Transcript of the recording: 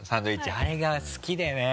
あれが好きでね。